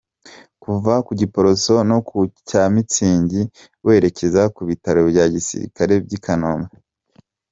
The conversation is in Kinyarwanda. Kuva ku Giporoso no ku Cyamitsingi werekeza ku bitaro bya Gisirikare by’i Kanombe.